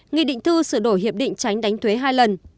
nghị định thư sửa đổi hiệp định tránh đánh thuế hai lần